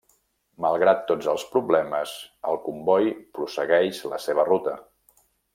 Malgrat tots els problemes, el comboi prossegueix la seva ruta.